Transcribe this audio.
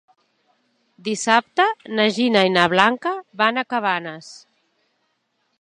Dissabte na Gina i na Blanca van a Cabanes.